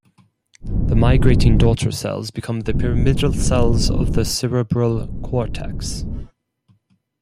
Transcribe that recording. The migrating daughter cells become the pyramidal cells of the cerebral cortex.